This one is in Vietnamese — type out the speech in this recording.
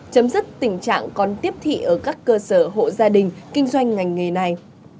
chấm dứt tình trạng còn tiếp thị ở các cơ sở hộ gia đình kinh doanh ngành nghề này